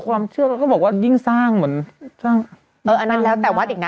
ความเชื่อเขาก็บอกว่ายิ่งสร้างเหมือนสร้างเอออันนั้นแล้วแต่วัดอีกนะ